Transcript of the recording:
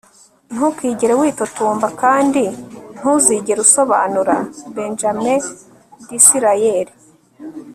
ntukigere witotomba kandi ntuzigere usobanura. - benjamin disraeli